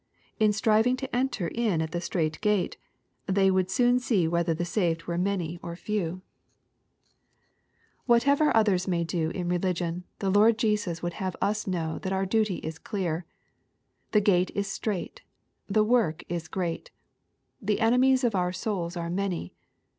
In striving to enter in at the strait gate the} would soon see whether the saved were manj or few. L 132 EXPOSITORY THOUG.'irP. Whatever others may do in religion tlie Lord Jesus would have us know that our duty is clear. The gate is strait. The work is great. The enemies of our souls are many.